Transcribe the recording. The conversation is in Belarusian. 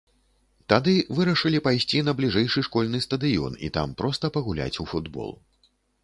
Тады вырашылі пайсці на бліжэйшы школьны стадыён і там проста пагуляць у футбол.